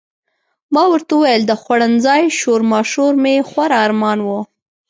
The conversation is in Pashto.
ما ورته وویل د خوړنځای شورماشور مې خورا ارمان و.